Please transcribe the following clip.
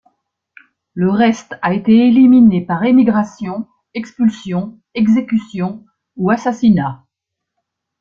Le reste a été éliminé par émigration, expulsion, exécution ou assassinat.